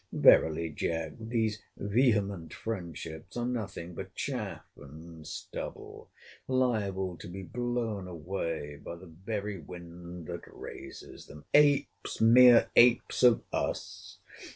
—Verily, Jack, these vehement friendships are nothing but chaff and stubble, liable to be blown away by the very wind that raises them. Apes, mere apes of us!